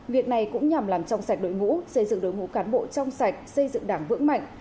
việc này cũng nhằm làm trong sạch đội ngũ xây dựng đối ngũ cán bộ trong sạch xây dựng đảng vững mạnh